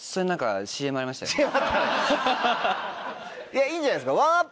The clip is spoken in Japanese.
いやいいんじゃないですか？